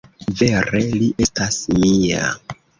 Vere li estas mia.